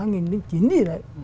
hai nghìn chín gì đấy